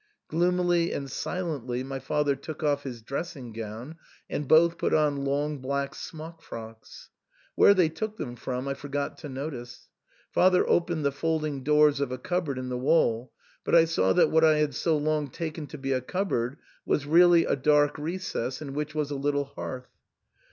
Gloomily and silently my father took off his dressing gown, and both put on long black smock frocks. Where they took them from I forgot to notice. Father opened the folding doors of a cupboard in the wall ; but I saw that what I had so long taken to be a cupboard was really a dark recess, in which was a little hearth.